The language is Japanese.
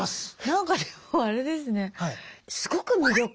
なんかでもあれですね。